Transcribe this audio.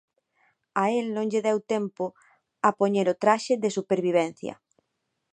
A el non lle deu tempo a poñer o traxe de supervivencia.